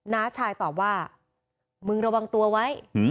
น้าชายตอบว่ามึงระวังตัวไว้